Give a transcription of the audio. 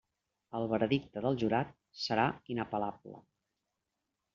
El veredicte del jurat serà inapel·lable.